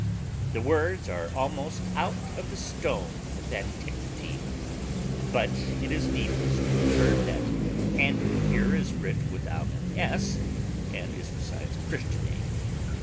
The words are almost out of the stone with antiquity. But it is needless to observe that Andrew here is writ without an s, and is, besides, a Christian name.